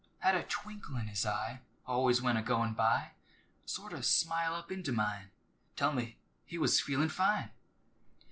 Had a twinkle in his eye Always when a goin' by, Sort o' smile up into mine, Tell me he was "feelin' fine!"